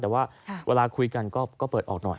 แต่ว่าเวลาคุยกันก็เปิดออกหน่อย